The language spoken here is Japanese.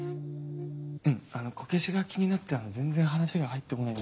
うんあのこけしが気になって全然話が入って来ない。